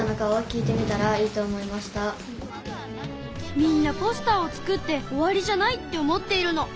みんなポスターを作って終わりじゃないって思っているの。